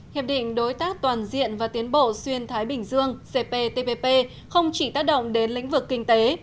hiệp định đối tác toàn diện và tiến bộ xuyên thái bình dương cptpp không chỉ tác động đến lĩnh vực kinh tế